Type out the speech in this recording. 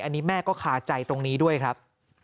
อันนี้แม่ก็คาใจตรงนี้ด้วยครับ